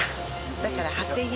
だから８０００円。